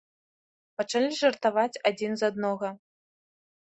Пачалі жартаваць адзін з аднаго.